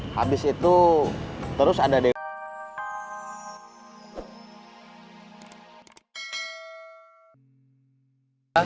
habis itu terus ada demo